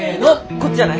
こっちじゃない？